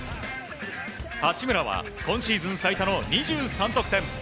八村は今シーズン最多の２３得点。